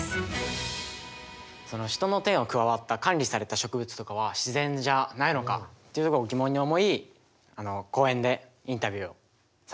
人の手が加わった管理された植物とかは自然じゃないのかっていうとこを疑問に思い公園でインタビューをさせていただきました。